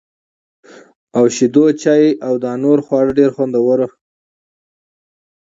او شېدو چای او دانور خواړه ډېره خوندوره